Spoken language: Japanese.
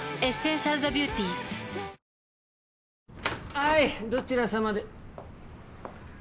はいどちら様で。